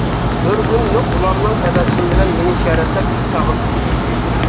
كۆرگۈم يوق ئۇلارنىڭ تەبەسسۇم بىلەن مېنى شەرەتلەپ ئىچ ئاغرىتىشىنى.